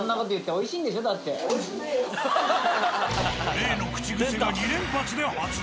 例の口癖が２連発で発動。